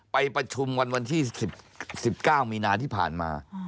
ไปประชุมกันวันที่๑๙มีนาที่ผ่านมา